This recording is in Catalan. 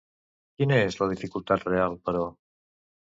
Quina és la dificultat real, però?